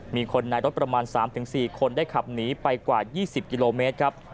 มีคนในรถประมาณ๓๔คนได้ขับหนีไปกว่า๒๐กิโลเมตรครับ